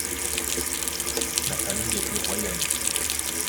La famille était royaliste.